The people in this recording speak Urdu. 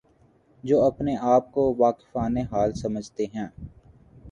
جو اپنے آپ کو واقفان حال سمجھتے ہیں۔